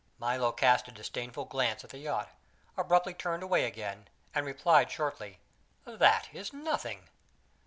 Milo cast a disdainful glance at the yacht, abruptly turned away again, and replied shortly: "That is nothing."